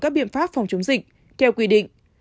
các biện pháp phòng chống dịch theo quy định